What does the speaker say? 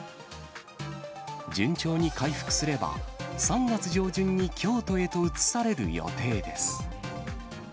順調に回復すれば、３月上旬に京都へと移される予定です。